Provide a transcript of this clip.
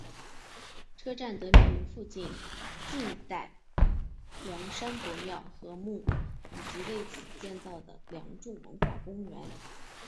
车站得名于附近晋代梁山伯庙和墓以及为此建造的梁祝文化公园。